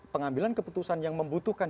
pengambilan keputusan yang membutuhkan